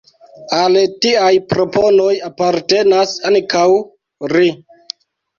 Al tiaj proponoj apartenas ankaŭ "ri".